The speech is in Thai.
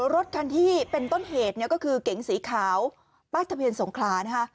รถคันที่เป็นต้นเหตุเนี่ยก็คือเก๋งสีขาวป้ายทะเบียนสงขลานะคะ